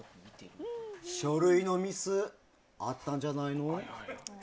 書類のミスあったんじゃないの？